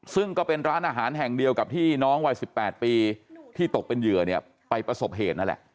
ซึ่งก็เป็นร้านอาหารแห่งเดียวกับที่น้องวัย๑๘ปีที่ตกเป็นเหยื่อเนี่ยไปประสบเหตุนั่นแหละ